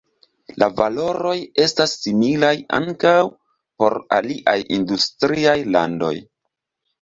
La valoroj estas similaj ankaŭ por aliaj industriaj landoj.